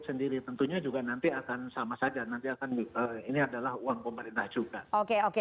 sendiri tentunya juga nanti akan sama saja nanti akan ini adalah uang pemerintah juga oke oke